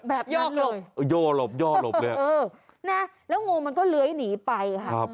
แบบนั้นเลยย่อหลบย่อหลบเลยเออแล้วงูมันก็เล้ยหนีไปค่ะ